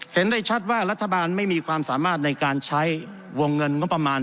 เห็นได้ชัดว่ารัฐบาลไม่มีความสามารถในการใช้วงเงินงบประมาณ